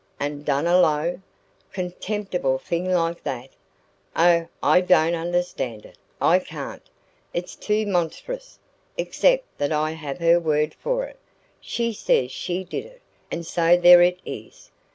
and done a low, contemptible thing like that! Oh, I don't understand it I can't; it's too monstrous except that I have her word for it. She says she did it, and so there it is.